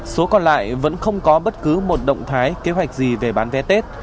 số còn lại vẫn không có bất cứ một động thái kế hoạch gì về bán vé tết